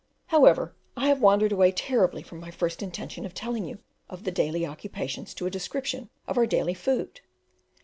However, I have wandered away terribly from my first intention of telling you of the daily occupations to a description of our daily food.